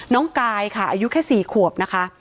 น้องกายค่ะอายุแค่๔ขวบนะคะ